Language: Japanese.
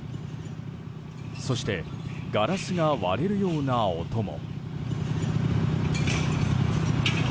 そしてガラスが割れるような音も。